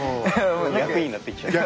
役になってきちゃってね。